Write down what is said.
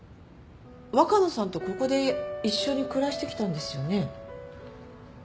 若菜さんとここで一緒に暮らしてきたんですよね？